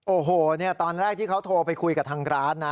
โอ้โหตอนแรกที่เขาโทรไปคุยกับทางร้านนะ